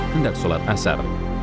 mendak sholat asar